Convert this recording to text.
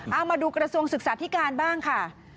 เอามาดูกระทรวงศึกษาธิการบ้างค่ะ